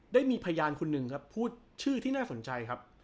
ได้มีพยานคนหนึ่งครับพูดชื่อที่น่าสนใจครับ